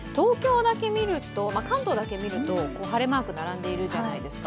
関東だけ見ると、晴れマーク並んでいるじゃないですか。